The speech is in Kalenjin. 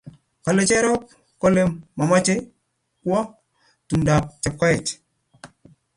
Kole Cherop kole mamoche kwo tumdap Chepkoech